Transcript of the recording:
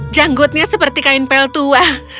janggutnya seperti kain pel tua